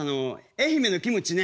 愛媛のキムチね。